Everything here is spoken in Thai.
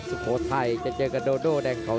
ทุกคนค่ะ